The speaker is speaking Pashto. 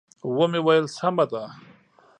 و مې ویل: سمه ده.